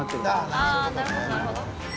ああなるほどなるほど。